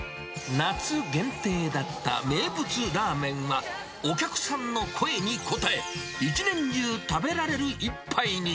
夏限定だった名物ラーメンは、お客さんの声に応え、一年中食べられる一杯に。